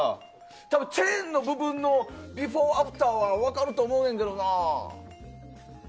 多分チェーンの部分のビフォーアフターは分かると思うねんけどな。